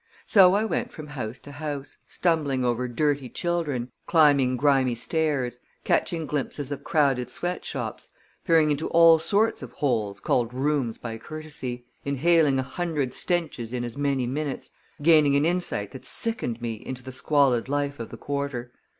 So I went from house to house; stumbling over dirty children; climbing grimy stairs, catching glimpses of crowded sweat shops; peering into all sorts of holes called rooms by courtesy; inhaling a hundred stenches in as many minutes; gaining an insight that sickened me into the squalid life of the quarter.